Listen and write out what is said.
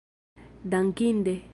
dankinde